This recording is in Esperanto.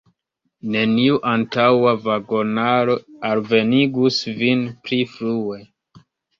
Neniu antaŭa vagonaro alvenigus vin pli frue.